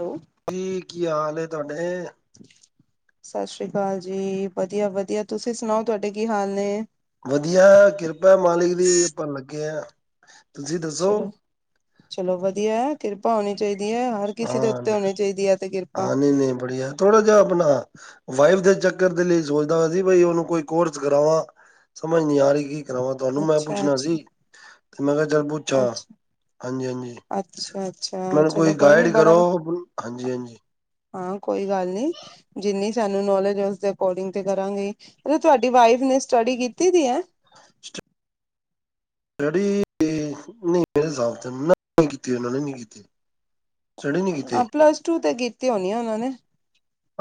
Hello ਕੀੀ ਕੀ ਹਾਲ ਤੁਹਾਡੇ ਸਤਿ ਸ੍ਰੀ ਅਕਾਲ ਜੀ ਵਧੀਆ ਵਧੀਆ ਤੁਸੀਂ ਸੁਣਾਓ ਤੁਹਾਡੇ ਕੀ ਹਾਲ ਨੇ ਕਿਰਪਾ ਮਾਲਕ ਦੀ ਆਪਾਂ ਲੱਗੇ ਆਂ ਚਲੋ ਚਲੋ ਵਧੀਆ ਕਿਰਪਾ ਹੋਣੀ ਚਾਹੀਦੀ ਹੈ, ਹਰ ਕਿਸੀ ਦੇ ਹਾਂ ਉੱਤੇ ਹੋਣੀ ਚਾਹੀਦੀ ਹੈ 'ਤੇ ਕਿਰਪਾ। ਹਾਂ ਨਹੀਂ ਨਹੀਂ ਬੜੀਆ। ਥੋੜਾ ਜਿਹਾ ਆਪਣਾ ਵਾਈਫ ਦੇ ਚੱਕਰ ਦੇ ਲਈ ਸੋਚਦਾ ਪਿਆ ਸੀ, ਬਈ ਉਹਨੂੰ ਕੋਈ ਕੋਰਸ ਕਰਾਵਾਂ, ਸਮਝ ਨਹੀਂ ਆ ਰਹੀ ਕਿ ਕਰਾਂ, ਤੁਹਾਨੂੰ ਮੈਂ ਅੱਛਾ ਪੁੱਛਣਾ ਅੱਛਾ ਸੀ ਤੇ ਮੈਂ ਕਿਹਾ ਚੱਲ ਪੁੱਛ ਅੱਛਾ ਹਾਂਜੀ ਹਾਂਜੀ ਅੱਛਾ ਅੱਛਾ ਮੈਨੂੰ ਚਲੋ ਕੋਈ ਨੀ ਗਾਈਡ ਬੜਾ ਕਰੋ ਹਾਂਜੀ ਹਾਂਜੀ ਹਾਂ ਕੋਈ ਗੱਲ ਨਹੀਂੀ ਜਿੰਨੀ ਸਾਨੂੰ ਨੋਲੇਜ ਹੈ ਉਸਦੇ ਅਕੋਰਡਿੰਗ ਤੇ ਕਰਾਂਗੇ ਤੁਹਾਡੀ ਵਾਈਫ ਨੇ ਸਟੱਡੀ ਕੀਤੀ ਤ ਹੈ ਡੈਡੀ, ਨਹੀਂ ਮੇਰੇ ਹਿਸਾਬ ਤੇ ਮੈਂ ਕੋਲ ਕੀਤੀ, ਉਹਨਾਂ ਨੇ ਨਹੀਂ ਕੀਤੀ। ਸਟੱਡੀ ਨਹੀਂ ਕੀਤੀ ਹਾਂ ਪਲੱਸ ਟੂ ਤੇ ਕੀਤੀ ਹੋਣੀ ਆ ਉਹਨਾਂ ਨੇ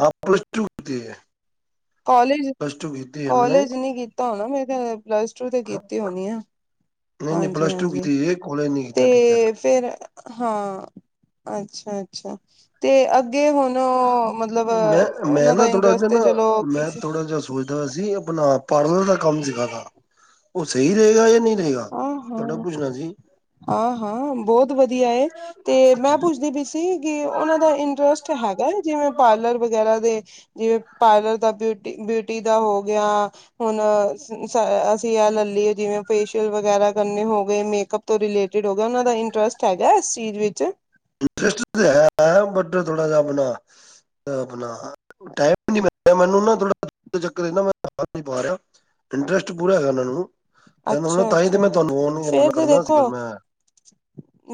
ਆਪਾਂ ਪਲੱਸ-ਟੂ ਕੀਤੀ ਹੈ। ਕਾਲਜ ਪਲੱਸ ਟੂ ਕੀਤੀ ਹੈ ਉਹਨਾਂ ਨੇ ਕਾਲਜ ਨੀ ਕੀਤਾ ਹੋਣਾ ਮੈਂ ਪਲੱਸ ਟੂ ਤੇ ਕੀਤੀ ਹੋਣੀ ਆ ਨਹੀਂ-ਨਹੀਂ ਹਾਂਜੀ ਪਲੱਸ ਟੂ ਕੀਤੀ ਹੋਈ ਏ, ਕੋਲੇਜ ਨਹੀਂ ਕੀਤਾ ਟੀਚਰ ਫਿਰ ਹਾਂ ਅੱਛਾ-ਅੱਛਾ ਤੇ ਅੱਗੇ ਹੁਣ ਚਲੋ, ਮਤਲਬ ਓ। ਮੈਂ ਮੈਂ ਉਹਨਾਂ ਦਾ ਨਾ ਥੋੜਾ ਇੰਟਰਸਟ ਜਿਹਾ ਤੇ ਨਾ ਚਲੋ ਮੈਂ ਕਿਸ ਥੋੜਾ ਜਿਹਾ ਸੋਚਦਾ ਸੀ ਆਪਣਾ ਪਾਰਲਰ ਦਾ ਕੰਮ ਸਿਖਾਾ ਉਹ ਸਹੀ ਰਹੇਗਾ ਜਾਂ ਨਹੀਂ ਰਹੇਗਾ ਆਹ ਤੁਹਾਡਾ ਹੋ ਪੁੱਛਣਾ ਸੀ। ਹਾਂ-ਹਾਂ ਬਹੁਤ ਵਧੀਆ ਏ ਤੇ ਮੈਂ ਪੁੱਛਦੀ ਪਈ ਸੀ ਸੀਗੀ ਉਹਨਾਂ ਦਾ ਇੰਟਰਸਟ ਹੈਗਾ ਵੇ, ਜਿਵੇਂ ਪਾਰਲਰ ਵਗੈਰਾ ਦੇ ਜਿਵੇਂ ਪਾਰਲਰ ਦਾ ਬਿਊਟੀ ਬਿਊਟੀ ਦਾ ਹੋ ਗਿਆ ਹੁਣ ਅਸੀਂ ਇਹ ਲੈ ਲਈਏ ਜਿਵੇਂ ਫੇਸ਼ ਰ ਵਗੈਰਾ ਕਰਨੇ ਹੋ ਗਏ, ਮੇਕਅਪ ਤੋਂ ਰਿਲੇਟਡ ਹੋ ਗੇਆ। ਓਨਾਂ ਦਾ ਇੰਟਰਸਟ ਹੈਗੈ ਇਸ ਚੀਜ ਵਿੱਚ? ਇੰਟਰਸਟ ਤੇ ਹੈ ਬਟ ਥੋੜਾ ਜਾ ਅਪਨਾ, ਅਪਨਾ ਟੈਮ ਨੀ ਮਿਲ ਰੇਆ ਮੈਨੂੰ ਨਾ ਥੋੜਾ [unintelligible] ਕਾਰ ਨੀ ਪਾ ਰੇਆ। ਇੰਟਰਸਟ ਪੂਰਾ ਹੈਗੇ ਓਨਾਂ ਨੂੰ ਏਨਾ ਨੂੰ ਨਾ, ਅੱਛਾ ਤਾਂਈ ਅੱਛਾ ਮੈਂ ਤੂਆਨੂੰ ਫੋਨ ਨੂ ਓ ਫੇਰ ਤੇ ਕਰਨਾ ਸੀ ਫੇਰ ਦੇਖੋ ਮੈਂ।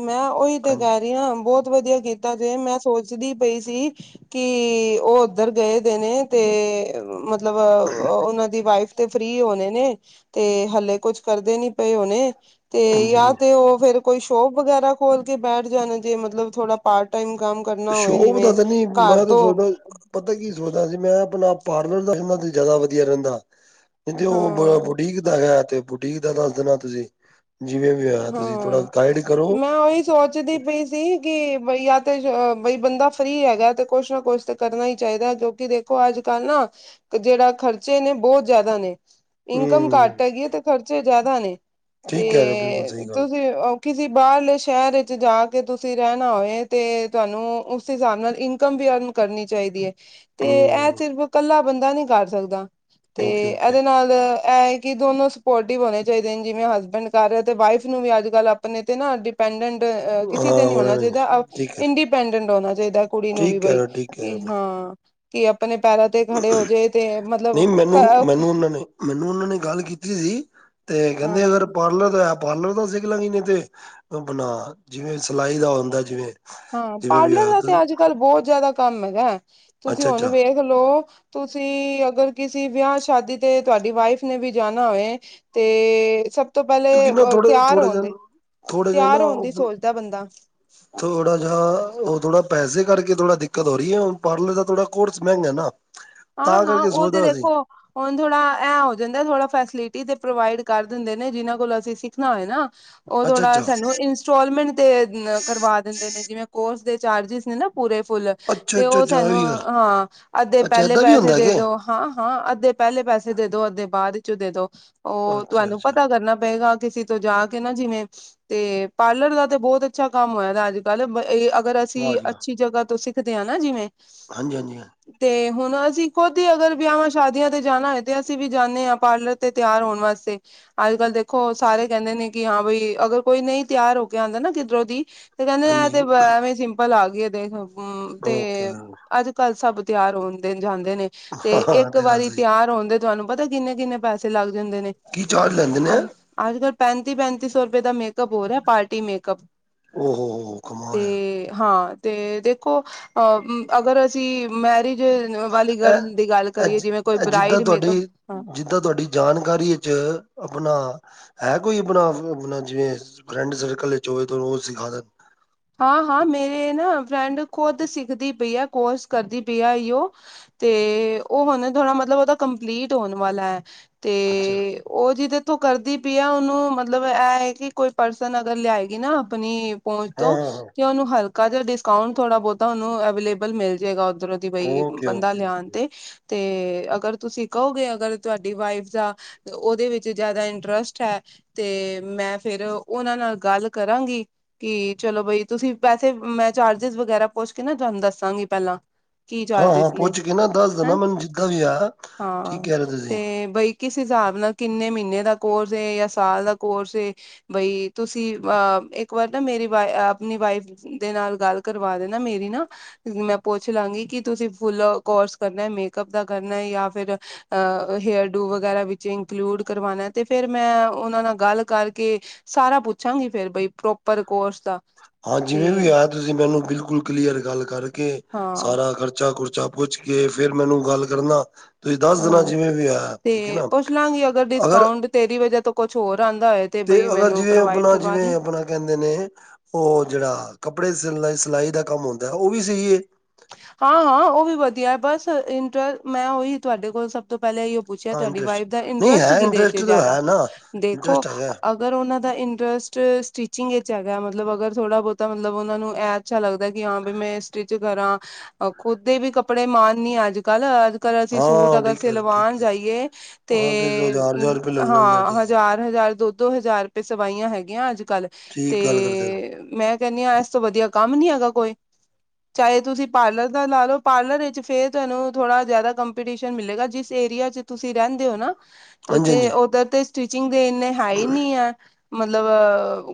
ਮੈਂ ਓਈ ਤੇ ਹਾਂਜੀ ਕੈ ਰੀ ਆਂ ਬੋਹਤ ਵਦੀਆ ਕੀਤਾ ਤੁਹੀ, ਮੈਂ ਸੋਚਦੀ ਪਈ ਸੀ ਕੀ ਓ ਓਦੱਰ ਗਏ ਦੇ ਨੇ, ਤੇ ਮਤਲਬ ਓਨਾਂ ਦੀ ਵਾਈਫ ਤੇ ਫ੍ਰੀ ਹੋਨੇ ਨੇ ਤੇ ਹੱਲੇ ਕੁੱਛ ਕਰਦੇ ਨੀ ਪਏ ਹੁਨੇ ਤੇ ਹਾਂਜੀ ਯਾ ਤੇ ਓ ਫੇਰ ਕੋਈ ਸ਼ੋਪ ਵਗੈਰਾ ਖੋਲ ਕੇ ਬੈਠ ਜਾਂਦੇ ਮਤਲਬ ਥੋੜਾ ਪਾਰਟ ਟਾਈਮ ਕੰਮ ਕਰਨਾ ਹੋਏ ਸ਼ੋਪ ਦਾ ਜਿਵੇਂ ਤੇ ਨੀ, ਘਰ ਮੈਂ ਤਾਂ ਤੋਂ ਸੋਚਦਾ, ਪਤਾ ਕੀ ਸੋਚਦਾ ਸੀ ਮੈਂ ਅਪਨਾ ਪਾਰਲਰ ਰਖਨਾ ਤੇ ਜਾਦਾ ਵਦੀਆ ਰੈਂਦਾ ਨੀ ਤੇ ਓ ਬ ਹਾਂ ਬੁਟੀਕ, ਦਾ ਹੈਗੇ ਤੇ ਬੁਟੀਕ ਦਾ ਦਾੱਸ ਦੇਨਾ ਤੂਸੀ, ਜਿਵੇਂ ਵੀ ਹੋਏਆ ਤੂਸੀ ਥੋੜਾ ਹਾਂ ਗਾਈਡ ਕਰੋ। ਮੈਂ ਉਹੀ ਸੋਚਦੀ ਪਈ ਸੀ, ਕਿ ਬਈ ਯਾ ਤੇ ਬਈ ਬੰਦਾ ਫ੍ਰੀ ਹੈਗੈ ਤੇ ਕੁਛ ਨਾ ਕੁਛ ਤੇ ਕਰਨਾ ਈ ਚਾਈਦਾ, ਕਿਉਂਕਿ ਦੇਖੋ ਅੱਜ-ਕੱਲ ਨਾ ਜੇੜਾ ਖਰਚੇ ਨੇ ਬੋਤ ਜਾਦਾ ਨੇ। ਇਨਕਮ ਹਮ ਘਾੱਟ ਹੈਗੀ ਐ, ਤੇ ਖਰਚੇ ਜਾਦਾ ਨੇ, ਠੀਕ ਕਹਿ ਰਹੇ ਬਿਲਕੁਲ ਤੇ ਸਹੀ ਗੱਲ ਕਿਸੀ ਬਾਰਲੇ ਸੈ਼ਰ ਇਚ ਜਾ ਕੇ ਤੂਸੀ ਰੈਨਾ ਹੋਏ ਤੇ ਤੂਆਨੂੰ ਉਸੀ ਸ੍ਹਾਬ ਨਾਲ ਇਨਕਮ ਵੀ ਅਰਨ ਕਰਨੀ ਚਾਈਦੀ ਏ। ਤੇ ਐ ਹਮ ਸਿਰਫ਼ ਕੱਲਾ ਬੰਦਾ ਨੀ ਕਾਰ ਸਕਦਾ। ਤੇ ਓਕੇ ਓਕੇ ਏਦੇ ਨਾਲ ਐ ਏ ਕਿ ਦੋਨੋ ਸਪੋਰਟਿਵ ਹੋਨੇ ਚਾਈਦੇ ਨੇ, ਜਿਵੇਂ ਹਸਬੈਂਡ ਕਾਰ ਰੇਆ ਤੇ ਵਾਈਫ ਨੂੰ ਵੀ ਅੱਜ-ਕੱਲ ਅਪਨੇ ਤੇ ਨਾ ਡਿਪ ਡਿਪੈਂਡੰਟ ਕਿਸੇ ਹਾਂ ਤੇ ਨੀ ਉਹਨਾਂ ਹੋਨਾ ਨੇ ਚਾਈਦਾ, ਠੀਕ ਹੈ ਇੰਡੀਪੈਂਡੈਂਟ ਹੋਨਾ ਚਾਈਦਾ ਕੁੜੀ ਨੂੰ ਵੀ ਠੀਕ ਕਹਿ ਬਈ। ਰਹੇ ਠੀਕ ਕਹਿ ਕਿ ਰਹੇ ਹਾਂ, ਕਿ ਅਪਨੇ ਪੈਰਾਂ ਤੇ ਖੜੇ ਹੋਜੇ ਤੇ ਨਹੀਂ ਮਤਲਬ ਮੈਨੂੰ ਘਰਾਂ ਮੈਨੂੰ ਉਹਨਾਂ ਨੇ ਮੈਨੂੰ ਓਨਾਂ ਨੇ ਗਾੱਲ ਕੀਤੀ ਸੀ ਤੇ ਕੈਂਦੇ ਹਾਂ ਅਗਰ ਪਾਰਲਰ ਦਾ ਪਾਰਲਰ ਦਾ ਸਿੱਖ ਲਾਂਗੀ ਕਿਤੇ, ਅਪਨਾ ਜਿਵੇਂ ਸਿਲਾਈ ਦਾ ਹੋਂਦੈ ਜਿਵੇਂ। ਹਾਂ। ਜਿਵੇਂ ਵੀ ਪਾਰਲਰ ਹੋਇਆ ਦਾ ਤੇ ਅੱਛਾ ਅਜ-ਕਲ ਬੋਤ ਜਾਦਾ ਕੰਮ ਹੈਗੇ, ਤੂਸੀ ਹੋਨ ਅੱਛਾ ਵੇਖ ਖਲੋ, ਤੂਸੀ ਅਗਰ ਕਿਸੇ ਵਿਆ-ਸ਼ਾਦੀ ਤੇ ਤੂਆਡੀ ਵਾਈਫ ਨੇ ਵੀ ਜਾਨਾ ਹੋਏ ਤੇ ਸਬ ਤੋ ਪੈਲੇ ਕਿਉਂਕਿ ਨਾ ਥੋੜੇ ਤਿਆਰ ਥੋੜੇ ਹੋਨ ਦੀ, ਜਿਹਾ ਥੋੜੇ ਜਿਹਾ ਤਿਆਰ ਹੋਨ ਦੀ ਨਾ ਸੋਚਦੈ ਬੰਦਾ। ਥੋੜਾ ਜਾ, ਓ ਥੋੜਾ ਪੈਸੇ ਕਾਰਕੇ ਥੋੜਾ ਦਿੱਕਤ ਹੋ ਰੀ ਏ, ਹੁਨ ਪਾਰਲਰ ਦਾ ਥੋੜਾ ਕੋਰਸ ਮ੍ਹੈਂਗਾ ਨਾ। ਹਾਂ, ਤਾਂ ਹਾਂ ਕਰਕੇ ਓ ਤੇ ਸੋਚਦਾ ਸੀ ਦੇਖੋ ਹੁਨ ਥੋੜਾ ਐ ਹੋ ਜਾਂਦੈ, ਥੋੜਾ ਫੈਸਿਲਿਟੀ ਤੇ ਪ੍ਰੋਵਾਈਡ ਕਾਰ ਦਿੰਦੇ ਨੇ ਜਿਨਾਂ ਕੋਲ ਅਸੀ ਸਿੱਖਨਾ ਹੋਏ ਨਾ। ਓ ਅੱਛਾ ਥੋੜਾ ਅੱਛਾ ਸਾਨੂੰ ਇੰਸਟੋਲਮੈਂਟ ਤੇ ਅ ਕਰਵਾ ਦਿੰਦੇ ਨੇ, ਜਿਵੇਂ ਕੋਰਸ ਦੇ ਚਾਰਜਿਸ ਨੇ ਨਾ। ਪੂਰੇ ਫੁੱਲ ਅੱਛਾ ਤੇ ਅੱਛਾ ਓ ਅੱਛਾ ਆਹ ਸਾਨੂੰ ਵੀ ਗੱਲ ਹਾਂ, ਅੱਧੇ ਅੱਛਾ ਪੈਲੇ ਏਦਾਂ ਵੀ ਪੈਸੇ ਹੁੰਦਾ ਦੇ ਕਿ ਦੋ ਹਾਂ, ਹਾਂ ਅੱਧੇ ਪੈਲੇ ਪੈਸੇ ਦੇਦੋ, ਅੱਧੇ ਬਾਦ ਇਚੋ ਦੇਦੋ। ਓ ਅੱਛਾ ਤੂਆਨੂੰ ਅੱਛਾ ਪਤਾ ਕਰਨਾ ਪਏਗਾ ਕਿਸੀ ਤੋ ਜਾ ਕੇ ਨਾ ਜਿਵੇਂ ਤੇ, ਪਾਰਲਰ ਦਾ ਤੇ ਬੋਤ ਅੱਛਾ ਕਾੰਮ ਹੇਗਾ ਅੱਜ-ਕੱਲ ਏ ਅਗਰ ਵਾਹ ਅਸੀ ਜੀ ਵਾਹ ਅੱਛੀ ਜਗਾ ਤੋਂ ਸਿੱਖਦੇਂ ਆ ਨਾ, ਜਿਵੇਂ ਹਾਂਜੀ, ਹਾਂਜੀ, ਹਾਂਜੀ। ਤੇ ਹੁਨ ਅਸੀ ਖੁਦ ਈ ਅਗਰ ਵਿਆਵਾਂ-ਸ਼ਾਦੀਆਂ ਤੇ ਜਾਨਾ ਹੋਏ ਤੇ ਅਸੀ ਵੀ ਜਾਨੇ ਆਂ ਪਾਰਲਰ ਤੇ ਤੇਆਰ ਹੋਨ ਵਾਸਤੇ। ਅਜ-ਕਲ ਦੇਖੋ ਸਾਰੇ ਕੈਂਦੇ ਨੇ ਕਿ ਹਾਂ ਬਈ ਅਗਰ ਕੋਈ ਨਹੀਂ ਤੇਆਰ ਹੋ ਕੇ ਆਂਦਾ ਨਾ, ਕਿੱਦਰੋਂ ਦੀ ਤੇ ਕੈਂਦੇ ਨੇ ਹਾਂਜੀ ਐਤੇ ਬ ਐਵੇਂ ਸਿੰਪਲ ਆ ਗਈ ਏ ਦੇਖ, ਤੇ ਓਕੇ ਅਜ-ਕਲ ਸਬ ਤਿਆਰ ਹੁੰਦੇ ਜਾਂਦੇ ਨੇ, ਤੇ ਹਾਂ ਇੱਕ ਤੇ ਗੱਲ ਵਾਰੀ ਸਹੀ ਤਿਆਰ ਹੋਨ ਦੇ ਤੂਆਨੂੰ ਪਤਾ ਕਿੰਨੇ-ਕਿੰਨੇ ਪੈਸੇ ਲਾੱਗ ਜਾਂਦੇ ਨੇ, ਕੀ ਚਾਰਜ ਲੈਂਦੇ ਨੇ ਹਾਂ ਅਜ-ਕਲ, ਪੈਂਤੀ-ਪੈਂਤੀ ਸੌ ਰੂਪੇ ਦਾ ਮੇਕ ਹੋ ਰੇਆ ਪਾਰਟੀ ਮੇਕਅਪ ਉਹ ਹੋ ਹੋ ਕਮਾਲ ਯਾਰ ਤੇ, ਹਾਂ। ਤੇ ਦੇਖੋ, ਅ ਅਗਰ ਅਸੀ ਮੈਰਿਜ ਵਾਲੀ ਇਹ ਗ੍ਰਲ ਦੀ ਗਾੱਲ ਇਹ ਕਰੀਏ ਜਿਵੇਂ ਕੋਈ ਬਰਾਈਡ ਮੇਕਅਪ, ਹਾਂ ਤਾਂ, ਤੂਆਡੀ ਜਾਨਕਾਰੀ ਇਚ ਅਪਣਾ ਹੈ ਕੋਈ ਅਪਣਾ ਫੇ ਅਪਣਾ ਜੇ ਫਰੈਂਡ ਸਰਕਲ ਇਚ ਹੋਵੇ ਤੇ ਓ ਸਿਖਾ ਦੇਨ? ਹਾਂ-ਹਾਂ, ਮੇਰੇ ਨਾ ਫਰੈਂਡ ਖੁਦ ਸਿੱਖਦੀ ਪਈ ਐ, ਕੋਰਸ ਕਰਦੀ ਪਈ ਐ ਈਓ। ਤੇ ਉਹ ਹੁਣ ਥੋੜਾ ਮਤਲਬ ਉਹਦਾ ਕੰਪਲੀਟ ਹੋਣ ਵਾਲਾ ਹੈ, ਤੇ ਅੱਛਾ ਉਹ ਜਿਹਦੇ ਤੋਂ ਕਰਦੀ ਪਈ ਆ ਉਹਨੂੰ ਮਤਲਬ ਇਹ ਹੈ ਕਿ ਕੋਈ ਪਰਸਨ ਅਗਰ ਲਿਆਏਗੀ ਨਾ, ਆਪਣੀ ਪਹੁੰਚ ਹਾਂ -ਤੋਂ, ਹਾਂ ਹਾਂ ਤੇ ਓਨੂੰ ਹਲਕਾ ਜਿਹਾ ਡਿਸਕਾਊਂਟ ਥੋੜਾ ਬਹੁਤਾ ਉਹਨੂੰ ਅਵੇਲੇਬਲ ਮਿਲ ਜਾਏਗਾ ਓਧਰ ਤੇ ਓਕੇ ਬਈ--ਬੰਦਾ ਓਕੇ ਲਿਆਉਣ ਤੇ, ਤੇ ਅਗਰ ਤੁਸੀਂ ਕਹੋਗੇ ਅਗਰ ਤੁਹਾਡੀ ਵਾਈਫ ਦਾ ਤੇ ਉਹਦੇ ਵਿੱਚ ਜਿਆਦਾ ਇੰਟਰਸਟ ਹੈ ਤੇ ਮੈਂ ਫੇਰ ਉਹਨਾਂ ਨਾਲ ਗੱਲ ਕਰਾਂਗੀ ਕਿ ਚਲੋ ਬਈ, ਤੁਸੀਂ, ਪੈਸੇ ਮੈਂ ਚਾਰਜਿਜ਼ ਵਗੈਰਾ ਪੋਛ ਕੇ ਨਾ ਤੁਹਾਨੂੰ ਦੱਸਾਂਗੀ, ਪਹਿਲਾਂ ਕੀ ਹਾਂ-ਹਾਂ ਚਾਰਜਿਸ ਨੇ? ਪੁੱਛ ਕੇ ਨਾ ਦੱਸ ਦੇਣਾ ਹੈਂ? ਮੈਨੂੰ ਜਿੱਦਾਂ ਵੀ ਆ ਠੀਕ ਹਾਂ, ਕਹਿ ਰਹੇ ਤੁਸੀਂ ਤੇ ਬਈ ਕਿਸ ਹਿਸਾਬ ਨਾਲ, ਕਿੰਨੇ ਮਹੀਨੇ ਦਾ ਕੋਰਸ ਏ ਜਾਂ ਸਾਲ ਦਾ ਕੋਰਸ ਏ? ਬਈ, ਤੁਸੀਂ ਅਂ ਇੱਕ ਵਾਰ ਨਾ ਮੇਰੀ ਆਪਣੀ ਵਾਈਫ ਦੇ ਨਾਲ ਗੱਲ ਕਰਵਾ ਦੇ ਨਾ, ਮੇਰੀ ਨਾ ਮੈਂ ਪੁੱਛ ਲਾਂਗੀ ਕਿ ਤੁਸੀਂ ਫੁੱਲ ਕੋਰਸ ਕਰਨੈ, ਮੇਕਅਪ ਦਾ ਕਰਨਾ ਹੈ ਜਾਂ ਫਿਰ ਅਹ ਹੇਅਰ-ਡੂ ਵਗੈਰਾ ਵਿਚੇ ਇਨਕਲੂਡ ਕਰਵਾਣਾ ਹੈ ਤੇ ਫੇਰ ਮੈਂ ਉਹਨਾਂ ਨਾਲ ਗੱਲ ਕਰਕੇ ਸਾਰਾ ਪੁੱਛਾਂਗੀ ਫੇਰ, ਬਈ ਪ੍ਰੋਪਰ ਕੋਰਸ ਦਾ ਹਾਂ, ਜਿਵੇਂ ਤੇ ਵੀ ਹੈ, ਤੁਸੀਂ ਮੈਨੂੰ ਬਿਲਕੁਲ ਕਲੀਅਰ ਗੱਲ ਕਰਕੇ, ਹਾਂ ਸਾਰਾ ਖਰਚਾ-ਖੁਰਚਾ ਪੁੱਛ ਕੇ, ਫੇਿਰ ਮੈਨੂੰ ਗੱਲ ਕਰਨਾ। ਤੁਸੀਂ ਦਸ ਦੇਣਾ, ਹਾਂ ਜਿਵੇਂ ਵੀ ਹੈ। ਠੀਕ ਹੈ ਤੇ ਨਾ? ਪੁੱਛ ਲਾਂਗੀ ਅਗਰ ਡਿਸਕਾਊਂਟ ਤੇਰੀ ਵਜਾ ਤੋਂ ਕੌਛ ਹੋਰ ਆਂਦਾ ਹੋਏ ਤੇ, ਬਈ ਅਗਰ ਮੈਨੂੰ ਜਿਵੇਂ ਪ੍ਰੋਵਾਈਡ ਆਪਣਾ ਕਰਵਾ ਦੀ ਜਿਵੇਂ ਆਪਣਾ ਕਹਿੰਦੇ ਨੇ। ਉਹ ਜਿਹੜਾ ਕੱਪੜੇ ਸਿਲਨਾ, ਸਿਲਾਈ ਦਾ ਕੰਮ ਹੁੰਦਾ, ਉਹ ਵੀ ਸਹੀ ਹਾਂ ਹਾਂ,, ਉਹ ਵੀ ਵਧੀਆ ਹੈ, ਬਸ ਇੰਟਰ--ਮੈਂ ਉਹੀ ਤੁਹਾਡੇ ਕੋਲ ਸਭ ਤੋਂ ਪਹਿਲਾਂ ਇਹੋ ਪੁੱਛਿਆ ਹਾਂ ਤੁਹਾਡੀ ਇੰਟਰਸਟ ਵਾਈਫ ਦਾ ਨਹੀਂ ਇੰਟਰਸਟ, ਹੈ ਕਿਦੇ ਚ ਇੰਟਰਸਟ ਤਾਂ ਜਿਆਦਾ ਹੈ ਨਾ ਦੇਖੋ ਇੰਟਰਸਟ ਹੈਗਾ ਅਗਰ ਉਹਨਾਂ ਦਾ ਇੰਟਰਸਟ ਸਟਿਚਿੰਗ ਵਿੱਚ ਹੈਗਾ, ਮਤਲਬ ਅਗਰ, ਥੋੜ੍ਹਾ ਬਹੁਤਾ ਮਤਲਬ ਉਹਨਾਂ ਨੂੰ ਐ ਅੱਛਾ ਲੱਗਦਾ ਕਿ ਹਾਂ ਬਈ ਮੈਂ ਸਟਿਚ ਕਰਾਂ, ਖੁਦ ਦੇ ਵੀ ਕੱਪੜੇ ਮਾਣ ਨੀ ਆ ਅੱਜ ਕੱਲ੍ਹ, ਅੱਜ ਪਰ ਅਸੀਂ ਸੂਟ ਹਾਂ ਅਗਰ ਠੀਕ ਹੈ ਸਿਲਵਾਨ ਠੀਕ ਹੈ ਜਾਈਏ, ਤੇ ਹਾਂ ਦੋ ਹਜ਼ਾਰ ਹਜ਼ਾਰ ਰੁਪਏ ਲੈ ਲੈਂਦੇ ਹਾਂ, ਠੀਕ ਹੈ ਹਜ਼ਾਰ ਹਜ਼ਾਰ, ਦੋ ਦੋ ਹਜ਼ਾਰ ਰੁਪਏ ਸਵਾਈਆਂ ਹੈਗੀਆਂ ਅੱਜ ਕੱਲ, ਠੀਕ ਗੱਲ ਕਰਦੇ ਹੋ ਤੇ ਮੈਂ ਕਹਿੰਦੀ ਹਾਂ ਇਸ ਤੋਂ ਵਧੀਆ ਕੰਮ ਨੀ ਹੈਗਾ ਕੋਈ, ਚਾਹੇ ਤੁਸੀਂ ਪਾਰਲਰ ਦਾ ਲਾ ਲਓ। ਪਾਰਲਰ ਵਿੱਚ ਫਿਰ ਤੁਹਾਨੂੰ ਥੋੜ੍ਹਾ ਜਿਆਦਾ ਕੰਪੀਟੀਸ਼ਨ ਮਿਲੇਗਾ। ਜਿਸ ਏਰੀਆ 'ਚ ਤੁਸੀਂ ਰਹਿੰਦੇ ਹੋ ਨਾ? ਤੇ ਹਾਂਜੀ-ਹਾਂਜੀ ਓਧਰ ਤੇ ਸਟਿਚਿੰਗ ਦੇ ਇੰਨੇ ਹਾਈ ਨੀ ਆ ਮਤਲਬ,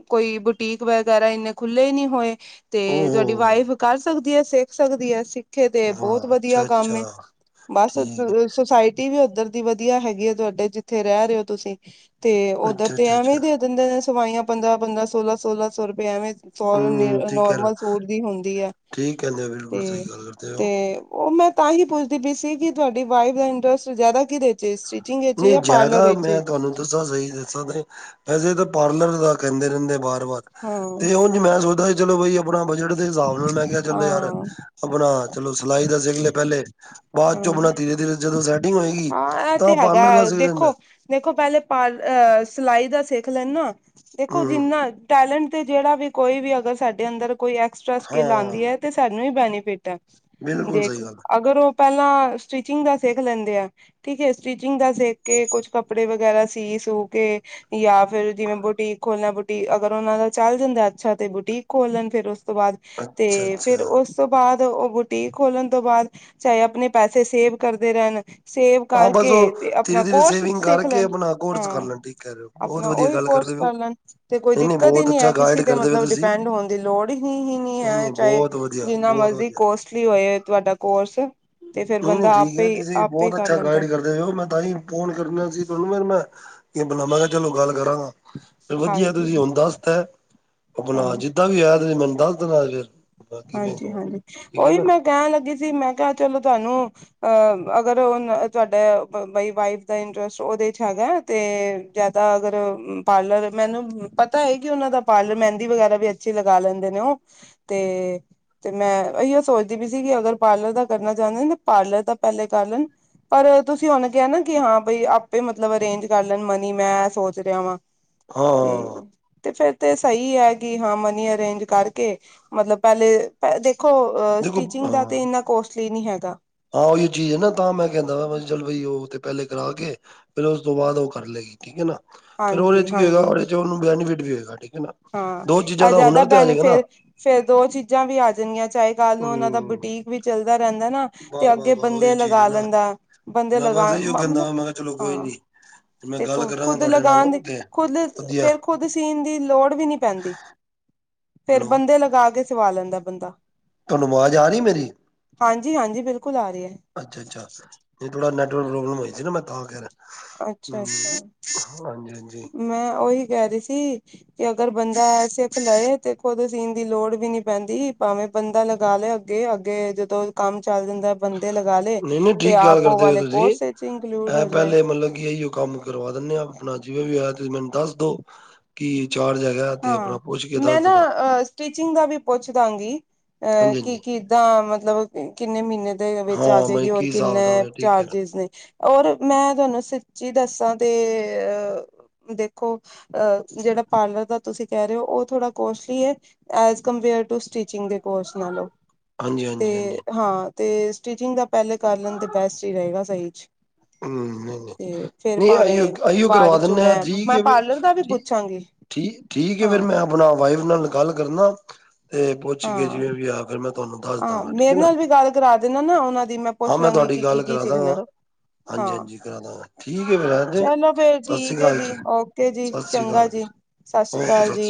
ਕੋਈ ਬੁਟੀਕ ਵਗੈਰਾ ਇੰਨੇ ਖੁੱਲੇ ਨਹੀਂ ਹੋਏ, ਤੇ ਤੁਹਾਡੀ ਵਾਈਫ ਕਰ ਸਕਦੀ ਹੈ, ਸਿੱਖ ਸਕਦੀ ਹੈ, ਅਸੀਂ ਇਥੇ ਤੇ ਬਹੁਤ ਵਧੀਆ ਕੰਮ ਏ। ਬਸ ਹੈ। ਸੁਸਾਇਟੀ ਵੀ ਉੱਧਰ ਦੀ ਵਧੀਆ ਹੈਗੀ ਹੈ ਤੁਹਾਡੇ, ਜਿੱਥੇ ਰਹਿ ਰਹੇ ਹੋ ਤੁਸੀਂ, ਤੇ ਉੱਧਰ ਅੱਛਾ, ਤੇ ਅੱਛਾ, ਅੱਛਾ ਐਵੇਂ ਦੇ ਦਿੰਦੇ ਨੇ ਸਵਾਈਆਂ, ਪੰਦਰਾਂ-ਪੰਦਰਾਂ, ਸੋਲਾਂ-ਸੋਲਾਂ ਸੌ ਰੁਪਏ, ਐਵੇਂ ਸੌ ਨ ਹੂੰ, ਠੀਕ ਹੈ ਨਾ ਨੋਰਮਲ, ਸੂਟ ਦੀ ਹੁੰਦੀ ਹੈ। ਠੀਕ ਕਹਿੰਦੇ, ਬਿਲਕੁਲ ਤੇ ਸਹੀ ਗੱਲ ਕਰਦੇ ਤੇ ਹੋ। ਉਹ ਮੈਂ ਤਾਂ ਹੀ ਪੁੱਛਦੀ ਪਈ ਸੀ ਕਿ ਤੁਹਾਡੀ ਵਾਈਫ ਦਾ ਇੰਟਰਸਟ ਜ਼ਿਆਦਾ ਕਿਹਦੇ ਚ', ਸਟਿਚਿੰਗ ਵਿੱਚ ਨਹੀਂ ਜਾਂ ਪਾਰਲਰ ਜ਼ਿਆਦਾ ਵਿੱਚ ਮੈਂ ਤੁਹਾਨੂੰ ਦੱਸਾਂ, ਸਹੀ ਦੱਸਾਂ ਤੇ ਵੈਸੇ ਤਾਂ ਪਾਰਲਰ ਦਾ ਕਹਿੰਦੇ ਰਹਿੰਦੇ ਬਾਰ ਵਾਰ। ਹਾਂ ਤੇ ਹੁਣ ਮੈਂ ਸੋਚਦਾ ਸੀ, ਚਲੋ ਬਈ ਆਪਣਾ ਬਜਟ ਦੇ ਹਿਸਾਬ ਨਾਲ, ਮੈਂ ਕਿਹਾ ਚੱਲੋ ਯਾਰ, ਹਾਂ ਆਪਣਾ ਚਲੋ ਸਿਲਾਈ ਦਾ ਸਿੱਖਲੇ ਪਹਿਲੇ, ਬਾਅਦ ਹਾਂ ਚੋਂ ਆਪਣਾ ਧੀਰੇ ਧੀਰੇ ਜਦੋਂ ਸੈਟਿੰਗ ਹੋਏਗੀ, ਹਾਂ ਇਹ ਤਾਂ ਤੇ ਪਾਰਲਰ ਦਾ ਸਿੱਖ ਲੈਂਦਾ ਦੇਖੋ, ਦੇਖੋ, ਪਹਿਲੇ ਪਾਰ ਸਿਲਾਈ ਦਾ ਸਿੱਖ ਲੈਣ ਨਾ ਦੇਖੋ, ਹੂੰ, ਜਿੰਨਾ ਟੈਲੈਂਟ ਤੇ ਜਿਹੜਾ ਵੀ, ਕੋਈ ਵੀ ਅਗਰ ਸਾਡੇ ਅੰਦਰ, ਕੋਈ ਐਕਸਟਰਾ ਸਕਿੱਲ ਆਂਦੀ ਹਾਂ ਹੈ ਤੇ ਸਾਨੂੰ ਹੀ ਬੈਨੀਫਿਟ ਹੈ। ਬਿਲਕੁਲ ਜੇਕ ਸਹੀ ਗੱਲ ਅਗਰ ਉਹ ਪਹਿਲਾਂ, ਸਟਿਚਿੰਗ ਦਾ ਸਿੱਖ ਲੈਂਦੇ ਆ। ਠੀਕ ਹੈ? ਸਟੀਿਚਿੰਗ ਦਾ ਸਿੱਖ ਕੇ, ਕੁਛ ਕੱਪੜੇ ਵਗੈਰਾ ਸੀ- ਸੂ ਕੇ ਜਾਂ ਫੇਿਰ, ਜਿਵੇਂ ਬੁਟੀਕ ਖੋਲਣਾ, ਬੁਟੀਕ ਅਗਰ ਉਹਨਾਂ ਦਾ ਚੱਲ ਜਾਂਦਾ ਅੱਛਾ ਤੇ ਬੁਟੀਕ ਖੋਲਣ ਫਿਰ। ਉਸ ਤੋਂ ਬਾਅਦ, ਅੱਛਾ, ਤੇ ਫੇਿਰ ਅੱਛਾ। ਉਸ ਤੋਂ ਬਾਅਦ ਉਹ ਬੁ ਟੀਕ ਖੋਲਣ ਤੋਂ ਬਾਅਦ, ਚਾਹੇ ਆਪਣੇ ਪੈਸੇ ਸੇਵ ਕਰਦੇ ਰਹਿਣ। ਸੇਵ ਹਾਂ ਬਸ ਕਰਕੇ, ਉਹ ਤੇ ਧੀਰੇ ਆਪਣਾ ਧੀਰੇ ਕੋਰਸ ਸੇਵਿੰਗ ਸਿੱਖ ਕਰਕੇ ਲੈਣ, ਆਪਣਾ ਕੋਰਸ ਕਰ ਹਾਂ। ਲੈਣ ਠੀਕ ਕਹਿ ਰਹੇ ਹੋ ਬਹੁਤ ਆਪਣਾ ਵਧੀਆ ਉਹੀ ਗੱਲ ਕੋਰਸ ਕਰਦੇ ਪਏ ਹੋ ਕਰ ਲੈਣ, ਤੇ ਕੋਈ ਨਹੀਂ ਦਿੱਕਤ ਹੀ ਬਹੁਤ ਨਹੀਂ ਹੈ, ਅੱਛਾ ਗਾਈਡ ਕਿਸੇ ਤੇ ਕਰਦੇ ਹੋ ਮਤਲਬ ਤੁਸੀਂ ਡਿਪੈਂਡ ਹੋਣ ਦੀ ਲੋੜ ਹੀ -ਹੀ ਨਹੀਂ ਹੈ, ਚਾਹੇ ਬਹੁਤ ਵਧੀਆ ਜਿੰਨਾ ਬਹੁਤ ਮਰਜ਼ੀ ਵਧੀਆ ਕੋਸ ਟਲੀ, ਹੋਏ ਤੁਹਾਡਾ ਕੋਰਸ, ਤੇ ਫੇਰ ਨਹੀਂ ਨਹੀਂ ਬੰਦਾ ਠੀਕ ਹੈ ਆਪੇ ਹੀ ਤੁਸੀਂ ਆਪੇ ਹੀ ਬਹੁਤ ਕਰ ਅੱਛਾ ਗਾਈਡ ਲੈਂਦਾ। ਕਰਦੇ ਓ, ਮੈਂ ਤਾਂਹੀ ਫੋਨ ਕਰਨਾ ਸੀ ਤੁਹਾਨੂੰ, ਫਿਰ ਮੈਂ ਕੀ ਬੁਲਾਵਾਂਗਾ ਚਲੋ ਗੱਲ ਕਰਾਂਗਾ। ਫਿਰ ਵਧੀਆ, ਹਾਂਜੀ ਤੁਸੀਂ ਹੁਣ ਦੱਸ ਤਾ, ਹਾਂ ਆਪਣਾ ਜਿੱਦਾਂ ਵੀ ਹੋਇਆ, ਤੁਸੀਂ ਮੈਨੂੰ ਦੱਸ ਦੇਣਾ ਫਿਰ। ਕਿਵੇਂ ਹਾਂਜੀ -ਹਾਂਜੀ, ਠੀਕ ਹੈ ਉਹੀ ਨਾ ਮੈਂ ਕਹਿਣ ਲੱਗੀ ਸੀ, ਮੈਂ ਕਿਹਾ ਚਲੋ ਤੁਹਾਨੂੰ ਅਹ, ਅਗਰ ਉਹ ਤੁਹਾਡਾ, ਬਈ ਵਾਈਫ ਦਾ ਇੰਟਰਸਟ ਉਹਦੇ ਚ ਹੈਗਾ? ਤੇ, ਜ਼ਿਆਦਾ ਅਗਰ ਪਾਰਲਰ ਮੈਨੂੰ ਪਤਾ ਹੈ ਕਿ, ਉਹਨਾਂ ਦਾ ਪਾਰਲਰ ਮਹਿੰਦੀ ਵਗੈਰਾ ਵੀ ਪਰਚੀ ਲਗਾ ਲੈਂਦੇ ਨੇ ਉਹ, ਤੇ ਤੇ ਮੈਂ, ਇਹੀਓ ਸੋਚਦੀ ਪਈ ਸੀ, ਕਿ ਅਗਰ ਪਾਰਲਰ ਦਾ ਕਰਨਾ ਚਾਹੁੰਦੇ ਨ, ਤੇ ਪਾਰਲਰ ਤਾਂ ਪਹਿਲੇ ਕਰ ਲੈਣ। ਪਰ, ਤੁਸੀਂ ਹੁਣ ਕਿਹਾ ਨਾ, ਕਿ ਹਾਂ ਬਈ ਆਪੇ ਮਤਲਬ ਅਰੇਂਜ ਕਰ ਲੈਣ ਮਨੀ ਮੈਂ ਸੋਚ ਰਿਹਾ ਵਾਂ। ਹਾਂ ਤੇ, ਹਾਂ ਤੇ ਫੇਰ ਤੇ ਸਹੀ ਹੈ, ਕਿ ਹਾਂ ਮਨੀ ਅਰੇਂਜ ਕਰਕੇ ਮਤਲਬ ਪਹਿਲੇ, ਦੇਖੋ ਦੇਖੋ ਸਟੀਚਿੰਗ ਦਾ ਹਾਂ ਤੇ, ਇੰਨਾ ਕੋਸਟਲੀ ਨੀ ਹੈਗਾ। ਹਾਂ ਉਹੀ ਚੀਜ਼ ਹੈ ਨਾ, ਤਾਂ ਮੈਂ ਕਹਿੰਦਾ ਵਾ, ਚੱਲ ਬਈ ਉਹ ਤੇ ਪਹਿਲੇ ਕਰਾ ਕੇ। ਫੇਰ ਉਸ ਤੋਂ ਬਾਅਦ ਉਹ ਕਰ ਲਏਗੀ, ਠੀਕ ਹੈ ਨਾ ਫਿਰ ਉਹਦੇ ਹਾਂਜੀ ਚ ਕੀ ਹੋਏਗਾ, ਹਾਂਜੀ ਉਹਦੇ ਚ ਉਹਨੂੰ ਬੈਨੀਫਿਟ ਵੀ ਹੋਏਗਾ ਠੀਕ ਹੈ ਨਾ। ਹਾਂ, ਦੋ ਚੀਜ਼ਾਂ ਇਹ ਦਾ ਜ਼ਿਆਦਾ ਹੁਨਰ ਤੇ ਆ ਜਾਏਗਾ ਨਾ ਬੈਨੇਫਿਟ, ਫੇਰ ਦੋ ਚੀਜ਼ਾਂ ਵੀ ਆ ਜਾਣੀਆਂ, ਚਾਹੇ। ਕਲ ਨੂੰ ਉਹਨਾਂ ਦਾ, ਹਮ ਬੁਟੀਕ ਵੀ ਚੱਲਦਾ ਰਹਿੰਦਾ ਨਾ, ਤੇ ਵਾਹ ਵਾਹ ਅੱਗੇ ਵਾਹ ਬੰਦੇ ਉਹੀ ਚੀਜ਼ ਹੈ ਲਗਾ ਨਾ ਲੈਂਦਾ। ਬੰਦੇ, ਮੈਂ ਬਸ ਲਗਾ ਇਹੀਓ ਕਹਿੰਦਾ ਮਤਲਬ ਵਾ ਮੈਂ ਕਿਹਾ ਚਲੋ ਕੋਈ ਹਾਂ। ਨੀ ਮੈਂ ਗੱਲ ਦੇਖੋ, ਕਰਾਂਗਾ ਖੁਦ ਤੁਹਾਡੇ ਨਾਲ ਲਗਾਉਣ ਦੇ ਉਹ ਤੇ ਖੁਦ ਵਧੀਆ ਫੇਰ ਖੁਦ ਸੀਣ ਦੀ ਲੋੜ ਵੀ ਨੀ ਪੈਂਦੀ, ਫਿਰ ਹੈਲੋ ਬੰਦੇ ਲਗਾ ਕੇ ਸਵਾ ਲੈਂਦਾ ਬੰਦਾ। ਤੁਹਾਨੂੰ ਆਵਾਜ਼ ਆ ਰਹੀ ਮੇਰੀ? ਹਾਂਜੀ ਹਾਂਜੀ ਬਿਲਕੁਲ ਆ ਰਹੀ ਹੈ ਅੱਛਾ- ਅੱਛਾ। ਜੀ ਥੋੜ੍ਹਾ ਨੈਟਵਰਕ ਪ੍ਰੋਬਲਮ ਹੋਈ ਸੀ ਨਾ, ਮੈਂ ਤਾਂ ਕਿਹ ਰਿਹਾ, ਅੱਛਾ ਅੱਛਾ ਹਾਂਜੀ- ਹਾਂਜੀ। ਮੈਂ, ਉਹੀ ਕਹਿ ਰਹੀ ਸੀ। ਕਿ ਅਗਰ ਬੰਦਾ ਸਿੱਖ ਲਏ, ਤੇ ਖੁਦ ਸੀਣ ਦੀ ਲੋੜ ਵੀ ਨਹੀਂ ਪੈਂਦੀ ਭਾਵੇਂ ਬੰਦਾ ਲਗਾ ਲਏ ਅੱਗੇ, ਅੱਗੇ ਜਦੋਂ ਕੰਮ ਚੱਲ ਜਾਂਦਾ। ਬੰਦੇ ਲਗਾ ਲਏ ਨਹੀਂ ਨਹੀਂ ਤੇ, ਠੀਕ ਗੱਲ ਆਪ ਉਹ ਕਰਦੇ ਹੋ ਵਾਲੇ ਤੁਸੀਂ ਕੋਰਸ ਚ ਇੰਕਲੂਡ ਇਹ ਹੋ ਜਾਏ। ਪਹਿਲੇ ਮਤਲਬ, ਕਿ ਇਹੀਓ ਕੰਮ ਕਰਵਾ ਦਿੰਦੇ ਹਾਂ, ਆਪਣਾ ਜਿਵੇਂ ਵੀ ਹੋਇਆ, ਤੁਸੀਂ ਮੈਨੂੰ ਦੱਸ ਦੋ ਕਿ ਚਾਰ ਹਜ਼ਾਰ ਹਾਂ, ਮੈਂ ਨਾ ਅ ਸਟੀਚਿੰਗ ਦਾ ਵੀ ਪੁੱਛ ਦਾਂਗੀ ਅਹ ਹਾਂਜੀ ਕਿ ਹਾਂਜੀ ਕਿ ਤਾਂ, ਮਤਲਬ ਕਿੰਨੇ ਮਹੀਨੇ ਦੇ ਵਿੱਚ ਆ ਹਾਂ ਮੈਂ ਜਾਏਗੀ, ਔਰ ਕੀ ਹਿਸਾਬ ਕਿਤਾਬ ਕਿੰਨੇ ਹੈ ਠੀਕ ਹੈ ਚਾਰਜਿਸ ਨੇ? ਔਰ ਮੈਂ, ਤੁਹਾਨੂੰ ਸੱਚੀ ਦੱਸਾਂ ਤੇ ਦੇਖੋ ਅਹ ਜਿਹੜਾ ਪਾਰਲਰ ਦਾ ਤੁਸੀਂ ਕਹਿ ਰਹੇ ਹੋ, ਉਹ ਥੋੜਾ ਕੋਸਟਲੀ ਹੈ, ਐਜ਼ ਕੰਪੇਅਰ ਟੂ ਸਟੀਚਿੰਗ ਦੇ। ਕੋਰਸ ਨਾਲੋਂ, ਹਾਂਜੀ ਤੇ ਹਾਂਜੀ ਹਾਂਜੀ ਹਾਂ ਤੇ ਸਟੀਿਚਿੰਗ ਦਾ ਪਹਿਲੇ ਕਰ ਲੈਂਦੇ, ਬੈਸਟ ਹੀ ਰਹੇਗਾ, ਸਹੀ ਚ। ਹਮ ਨਹੀਂ ਨਹੀਂ ਤੇ ਫਿਰ ਨਹੀਂ ਆਈਓ ਭਾਵੇਂ, ਆਈਓ ਬਾਅਦ ਕਰਵਾ ਵਿੱਚੋਂ ਦਿੰਦੇ ਆ ਮੈਂ, ਠੀਕ ਮੈਂ ਹੈ ਫਿਰ, ਪਾਰਲਰ ਦਾ ਵੀ ਠੀ ਪੁੱਛਾਂਗੀ। ਠੀਕ, ਠੀਕ ਹੈ, ਫਿਰ ਹਾਂ ਮੈਂ ਆਪਣਾ ਵਾਈਫ ਨਾਲ ਗੱਲ ਕਰਨਾ। ਤੇ ਪੁੱਛ ਕੇ ਹਾਂ ਜਿਵੇਂ ਵੀ ਆ, ਫੇਰ ਮੈਂ ਤੁਹਾਨੂੰ ਦੱਸ ਹਾਂ ਦਾਂਗਾ, ਠੀਕ ਹੈ ਮੇਰੇ ਨਾ? ਨਾਲ ਵੀ ਗੱਲ ਕਰਾ ਦੇਣਾ ਨਾ ਉਹਨਾਂ ਦੀ ਹਾਂ, ਪੁੱਛ ਮੈਂ ਲਾਂਗੀ ਤੁਹਾਡੀ ਕਿ ਕੀ ਗੱਲ ਕੀ ਕਰਾ ਸਿੱਖਣਾ ਦਾਂਗਾ। ਹਾਂਜੀ- ਹਾਂ ਹਾਂਜੀ, ਕਰਾ ਦਾਂਗਾ, ਠੀਕ ਹੈ, ਫਿਰ ਹਾਂਜੀ, ਚਲੋ ਫੇਰ ਸਤਿ ਸ਼੍ਰੀ ਠੀਕ ਹੈ ਅਕਾਲ ਜੀ, ਓਕੇ ਜੀ ਸਤਿ ਸ੍ਰੀ ਚੰਗਾ ਅਕਾਲ ਜੀ। ਸਤਿ ਸ੍ਰੀ ਅਕਾਲ ਜੀ।